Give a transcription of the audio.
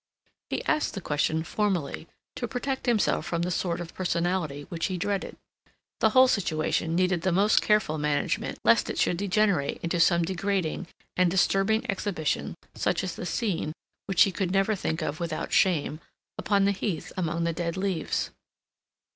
He asked the question formally, to protect himself from the sort of personality which he dreaded. The whole situation needed the most careful management lest it should degenerate into some degrading and disturbing exhibition such as the scene, which he could never think of without shame, upon the heath among the dead leaves.